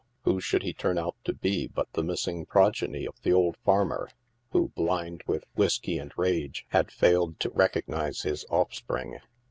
who should he turn out to bo but the missing progeny of the oil farmer, who, blind with whiskey and rage, had failed to recogniz3 his offspring.